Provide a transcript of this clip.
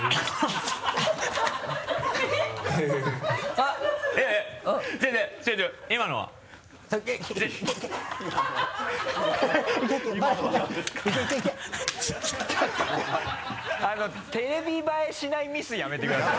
あのテレビ映えしないミスやめてください。